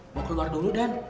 mau keluar dulu den